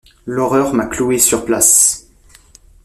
L’horreur m’a cloué sur place!